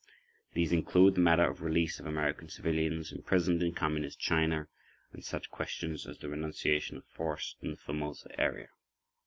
These included the matter of release of American civilians imprisoned in Communist China, and such questions as the renunciation of force in the Formosa area.